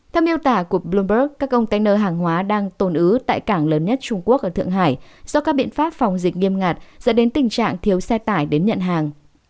theo miêu tả của bloomberg các container hàng hóa đang tồn ứ tại cảng lớn nhất trung quốc ở thượng hải do các biện pháp phòng dịch nghiêm ngặt dẫn đến tình trạng thiếu xe tải đến nhận hàng